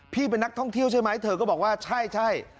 เป็นนักท่องเที่ยวใช่ไหมเธอก็บอกว่าใช่